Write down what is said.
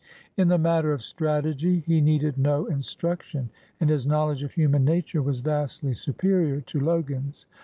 In the matter of strategy he needed no instruction, and his knowledge of human nature was vastly superior to Logan's.